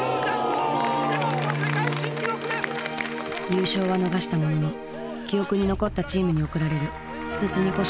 優勝は逃したものの記憶に残ったチームに贈られる「スプツニ子！